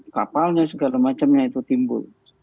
kapalnya segala macamnya itu timbul